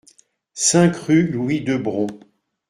cinq rue Louis Debrons